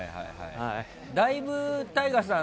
だいぶＴＡＩＧＡさん